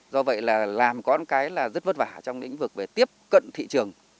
do vậy là làm có một cái là rất vất vả trong lĩnh vực về tiếp cận thị trường